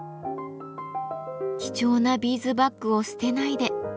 「貴重なビーズバッグを捨てないで」。